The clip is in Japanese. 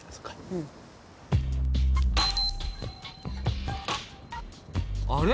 うん。あれ？